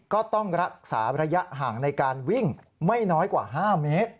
ก็ต้องรักษาระยะห่างในการวิ่งไม่น้อยกว่า๕เมตร